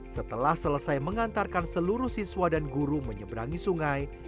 setelah selesai mengantarkan seluruh siswa dan guru menyeberangi sungai